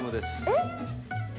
えっ？